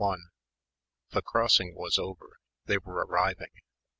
CHAPTER II 1 The crossing was over. They were arriving.